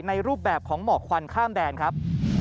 รูปแบบของหมอกควันข้ามแดนครับ